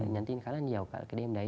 nhân tin khá là nhiều cả cái đêm đấy